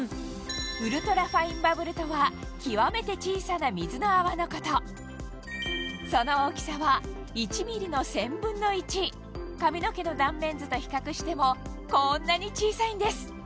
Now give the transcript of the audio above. ウルトラファインバブルとは極めて小さな水の泡のことその大きさは１ｍｍの１／１０００髪の毛の断面図と比較してもこんなに小さいんです